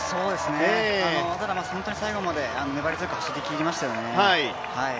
本当に最後まで粘り強く走りきりましたよね。